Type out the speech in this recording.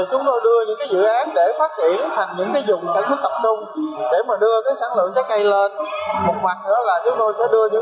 chúng tôi sẽ đưa những giải pháp sản xuất theo tiêu chuẩn gdp để trái cây được tạo được lập kinh với người tiêu dùng